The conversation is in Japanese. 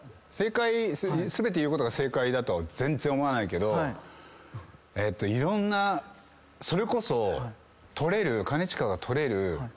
全て言うことが正解だとは全然思わないけどいろんなそれこそ兼近が取れる。